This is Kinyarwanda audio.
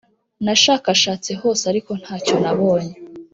Nashakashatse hose ariko nta cyo nabonye